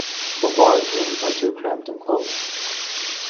The large rooms are too cramped and close.